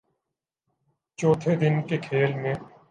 چوتھے دن کے کھیل میں